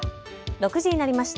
６時になりました。